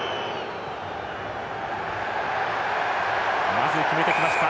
まず決めてきました。